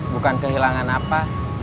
bukan kehilangan apa